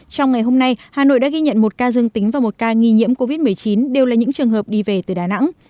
trong ngày hôm nay hà nội đã ghi nhận một ca dương tính và một ca nghi nhiễm covid một mươi chín đều là những trường hợp đi về từ đà nẵng